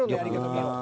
見よう。